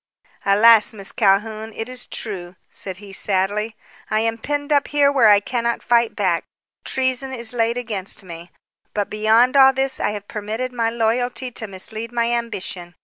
"Alas, Miss Calhoun, it is true," said he sadly, "I am penned up here where I cannot fight back. Treason is laid against me. But, beyond all this, I have permitted my loyalty to mislead my ambition.